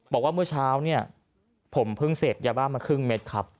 บอกว่าเมื่อเช้าเนี่ยผมเพิ่งเสพยาบ้ามาครึ่งเม็ดครับ